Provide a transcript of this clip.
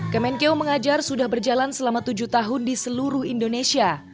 kemenkeu mengajar sudah berjalan selama tujuh tahun di seluruh indonesia